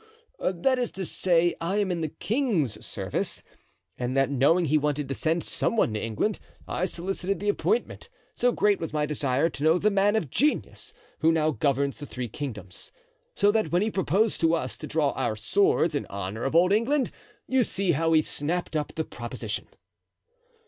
"That is to say I am in the king's service, and that knowing he wanted to send some one to England, I solicited the appointment, so great was my desire to know the man of genius who now governs the three kingdoms. So that when he proposed to us to draw our swords in honor of old England you see how we snapped up the proposition."